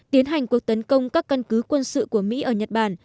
tiến hành cuộc tấn công các căn cứ quân sự của mỹ ở nhật bản